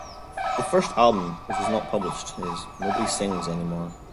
The first album, which was not published, is: “Nobody Sings Anymore”.